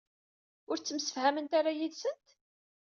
Ur ttemsefhament ara yid-sent?